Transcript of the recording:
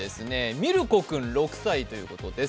ミルコ君６歳ということです。